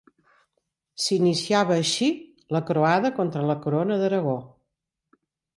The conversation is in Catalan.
S'iniciava així la croada contra la corona d'Aragó.